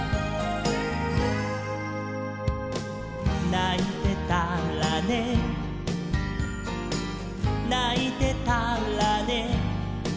「ないてたらねないてたらね」